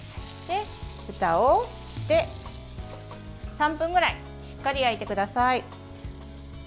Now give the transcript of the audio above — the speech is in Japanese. ふたをして３分ぐらいしっかり焼いてください。